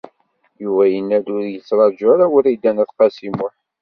Yuba yenna-d ur yettṛaǧu ara Wrida n At Qasi Muḥ